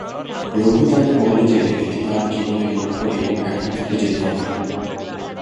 রঘু তাকে বলে যে এটি তাঁর জীবনের লক্ষ্য এবং এখন তাকে যেতে হবে।